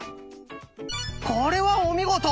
これはお見事！